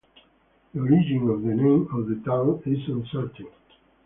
The origin of the name of the town is uncertain.